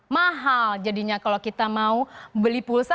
mahal jadinya kalau kita mau beli pulsa